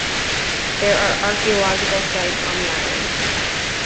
There are archaeological sites on the island.